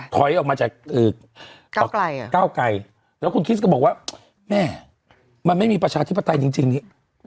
ถอยออกมาจากก้าวไกลแล้วคุณคริสก็บอกว่าแม่มันไม่มีประชาธิปไตยจริงนี่